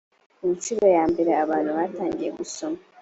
ku ncuro ya mbere abantu batangiye gusoma